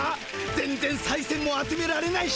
全然さいせんも集められないし。